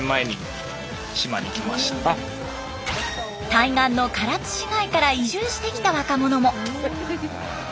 対岸の唐津市街から移住してきた若者も。